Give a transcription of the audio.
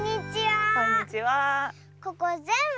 ここぜんぶ